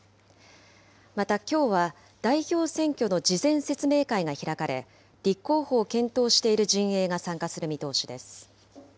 またきょうは、代表選挙の事前説明会が開かれ、立候補を検討している陣営が参加する見通しです。